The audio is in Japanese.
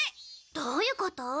どういうこと？